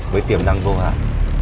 với tiềm năng bồ hát